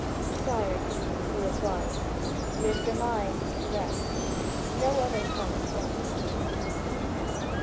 "Sire," he replies, "your surmise is correct; no other cause brings me here."